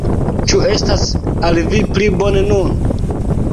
Ĉu estas al vi pli bone nun?